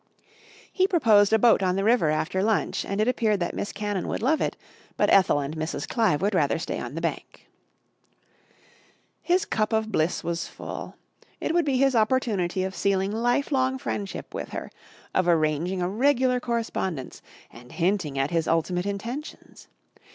He proposed a boat on the river after lunch, and it appeared that Miss Cannon would love it, but Ethel and Mrs. Clive would rather stay on the bank. His cup of bliss was full. It would be his opportunity of sealing lifelong friendship with her, of arranging a regular correspondence, and hinting at his ultimate intentions.